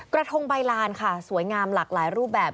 กระทงใบลานค่ะสวยงามหลากหลายรูปแบบ